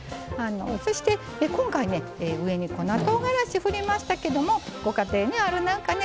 そして今回ね上に粉とうがらしふりましたけどもご家庭にある何かね